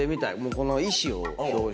この。